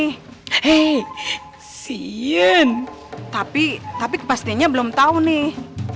hei siin tapi tapi pastinya belum tahu nih